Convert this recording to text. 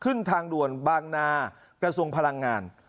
ขึ้นทางด่วนบางนากระทรวงพลังงาน